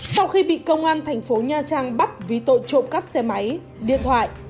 sau khi bị công an thành phố nha trang bắt vì tội trộm cắp xe máy điện thoại